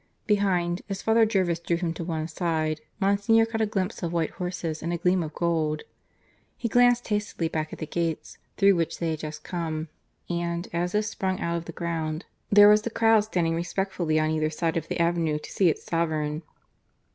Behind, as Father Jervis drew him to one side, Monsignor caught a glimpse of white horses and a gleam of gold. He glanced hastily back at the gates through which they had just come, and, as if sprung out of the ground, there was the crowd standing respectfully on either side of the avenue to see its Sovereign.